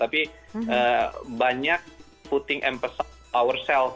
tapi banyak putting emphasis on ourself